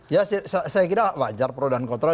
ya saya kira wajar pro dan kontra